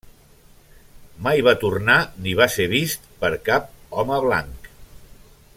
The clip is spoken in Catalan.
Mai va tornar ni va ser vist per cap home blanc.